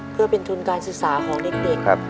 เพื่อเป็นทุนการศึกษาของเด็ก